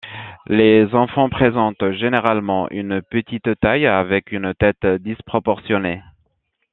Les enfants présentent généralement une petite taille avec une tête disproportionnée.